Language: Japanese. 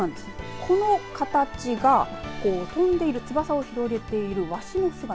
この形が飛んでいる翼を広げているわしの姿。